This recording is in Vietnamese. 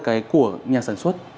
cái của nhà sản xuất